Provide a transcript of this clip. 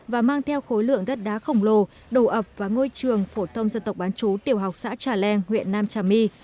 và mang theo khối lượng đất đá khổng lồ đồ ập và ngôi trường phổ tâm dân tộc bán trú tiểu học xã trà len huyện nam trà my